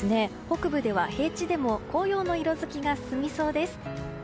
北部では平地でも紅葉の色づきが進みそうです。